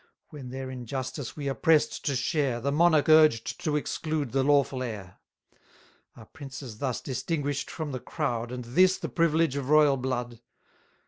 When their injustice we are press'd to share, The monarch urged to exclude the lawful heir; Are princes thus distinguish'd from the crowd, And this the privilege of royal blood?